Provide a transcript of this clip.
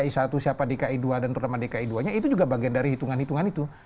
ketika formasi siapa dki i siapa dki ii dan pertama dki ii nya itu juga bagian dari hitungan hitungan itu